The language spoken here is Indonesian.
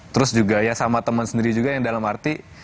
terus juga ya sama temen sendiri juga yang dalam arti